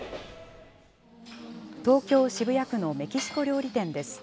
東京・渋谷区のメキシコ料理店です。